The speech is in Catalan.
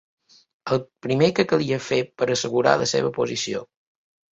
El primer que calia fer per assegurar la seva posició